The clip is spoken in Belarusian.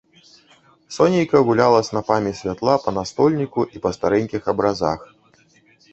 Сонейка гуляла снапамі святла па настольніку і па старэнькіх абразах.